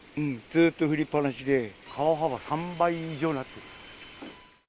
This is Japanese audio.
ずーっと降りっぱなしで、川幅３倍以上になってる。